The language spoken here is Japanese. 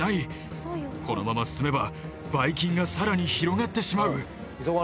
このまま進めばバイ菌が更に広がってしまう。